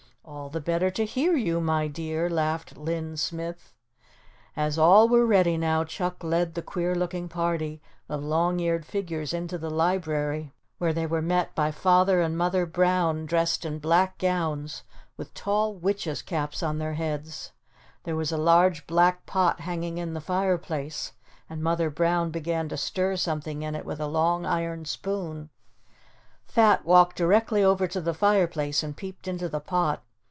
"All the better to hear you, my dear," laughed Linn Smith. As all were now ready, Chuck led the queer looking party of long eared figures into the library where they were met by Father and Mother Brown dressed in black gowns with tall witches' caps on their heads. There was a large black pot hanging in the fireplace and Mother Brown began to stir something in it with a long iron spoon. Fat walked directly over to the fireplace and peeped into the pot.